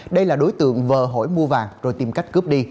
đây là đối tượng vờ hỏi hổi mua vàng rồi tìm cách cướp đi